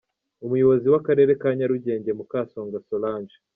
Umuyobozi w'Akarere ka Nyarugenge, Mukasonga Solange.